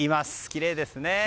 きれいですよね！